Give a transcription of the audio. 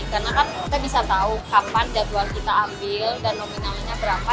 karena kita bisa tahu kapan jadwal kita ambil dan nominalnya berapa